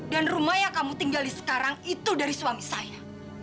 rumah yang kamu tinggali sekarang itu dari suami saya